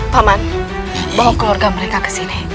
paman bawa keluarga mereka kesini